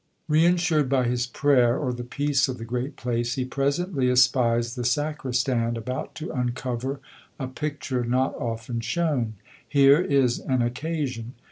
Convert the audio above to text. Reassured by his prayer, or the peace of the great place, he presently espies the sacristan about to uncover a picture not often shown. Here is an occasion!